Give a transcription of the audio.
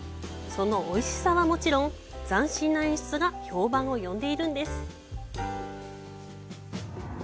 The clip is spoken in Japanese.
そのおいしさはもちろん、斬新な演出が評判を呼んでいるんです。